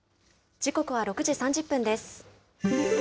時刻は６時３０分です。